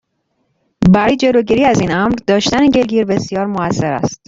برای جلوگیری ازا ین امر، داشتن گلگیر بسیار موثر است.